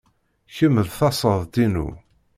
Kemm d tasaḍt-inu.